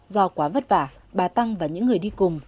do quá vất vả bà tăng và những người đi cùng